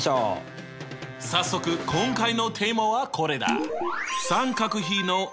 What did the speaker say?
早速今回のテーマはこれだ！